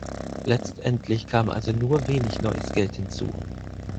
Letztendlich kam also nur wenig neues Geld hinzu.